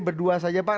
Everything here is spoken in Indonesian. berdua saja pak